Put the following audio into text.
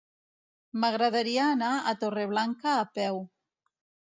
M'agradaria anar a Torreblanca a peu.